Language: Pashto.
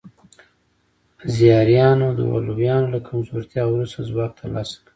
زیاریانو د علویانو له کمزورتیا وروسته ځواک ترلاسه کړ.